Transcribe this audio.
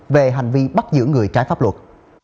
về hành vi bắt giữ người trái pháp luật